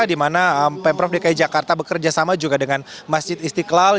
di mana pemprov dki jakarta bekerja sama juga dengan masjid istiqlal